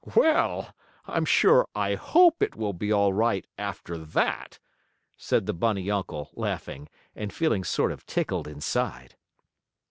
"Well, I'm sure I hope it will be all right after that," said the bunny uncle, laughing, and feeling sort of tickled inside.